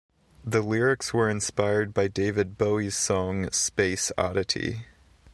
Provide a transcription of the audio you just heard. The lyrics were inspired by David Bowie's song "Space Oddity".